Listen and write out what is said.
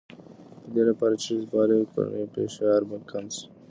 د دې لپاره چې ښځې فعاله وي، کورنی فشار به کم شي.